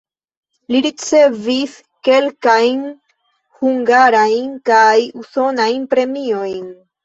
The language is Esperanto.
Li ricevis kelkajn hungarajn kaj usonajn premiojn.